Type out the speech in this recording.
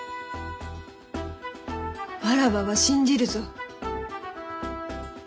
わらわは信じるぞ。